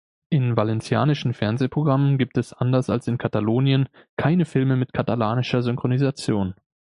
In valencianischen Fernsehprogrammen gibt es anders als in Katalonien keine Filme mit katalanischer Synchronisation.